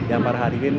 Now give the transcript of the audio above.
dan para hadirin